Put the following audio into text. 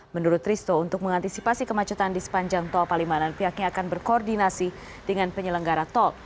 menurut risto untuk mengantisipasi kemacetan di sepanjang tol palimanan pihaknya akan berkoordinasi dengan penyelenggara tol